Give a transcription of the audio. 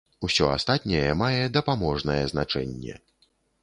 Усё астатняе мае дапаможнае значэнне.